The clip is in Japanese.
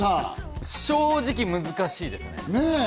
正直難しいです。